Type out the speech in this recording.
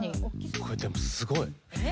これでもすごい。